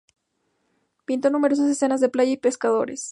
Pintó numerosas escenas de playa y pescadores.